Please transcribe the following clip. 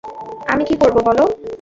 আমি কী করব বলো।